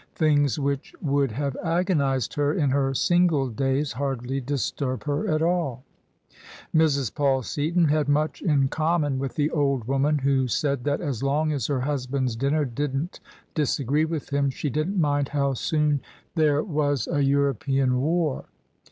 Things which would have agonised her in her single days hardly disturb her at all. Mrs. Paul Seaton had much in common with the old woman who said that " as long as her husband's dinner didn't dis agree with him, she didn't mind how soon there was a : OF ISABEL CARNABY European war."